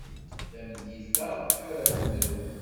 Tameddit-a ara tefru.